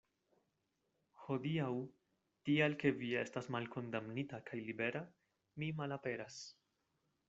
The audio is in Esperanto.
Hodiaŭ, tial ke vi estas malkondamnita kaj libera, mi malaperas.